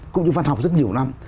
cũng như văn học rất nhiều năm